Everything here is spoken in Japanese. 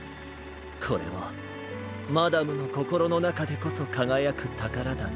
これはマダムのこころのなかでこそかがやくたからだね。